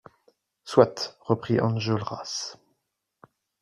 Soit, reprit Enjolras.